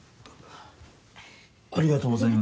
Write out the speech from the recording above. ありがとうございます。